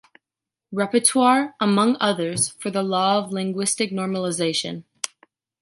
Rapporteur–among others–for the Law on Linguistic Normalization.